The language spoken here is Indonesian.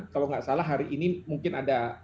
kalau nggak salah hari ini mungkin ada